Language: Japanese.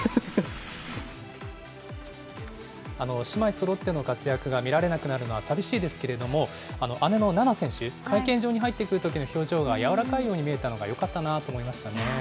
姉妹そろっての活躍が見られなくなるのは寂しいですけれども、姉の菜那選手、会見場に入ってくるときの表情が柔らかいように見えたのがよかったなと思いましたね。